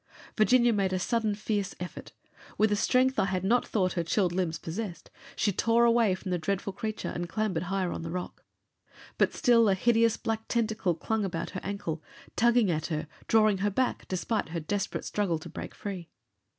Virginia made a sudden fierce effort. With a strength that I had not thought her chilled limbs possessed, she tore away from the dreadful creature and clambered higher on the rock. But still a hideous black tentacle clung about her ankle, tugging at her, drawing her back despite her desperate struggle to break free.